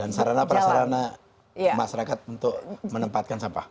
dan sarana prasarana masyarakat untuk menempatkan sampah